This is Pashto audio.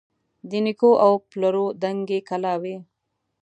د نیکو او د پلرو دنګي کلاوي